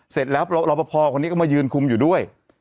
เสร็จแล้วรอปภคนนี้ก็มายืนคุมอยู่ด้วย